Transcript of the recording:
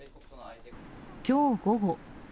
きょう午後。